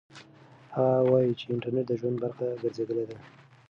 هغه وایي چې انټرنيټ د ژوند برخه ګرځېدلې ده.